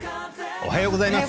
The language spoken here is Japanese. おはようございます。